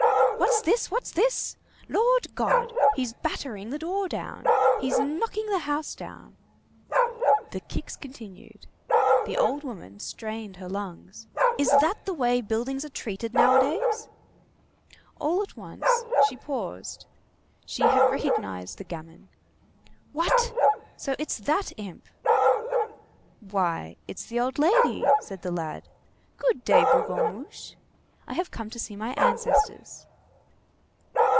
"What's this? What's this? Lord God! He's battering the door down! He's knocking the house down." The kicks continued. The old woman strained her lungs. "Is that the way buildings are treated nowadays?" All at once she paused. She had recognized the gamin. "What! so it's that imp!" "Why, it's the old lady," said the lad. "Good day, Bougonmuche. I have come to see my ancestors."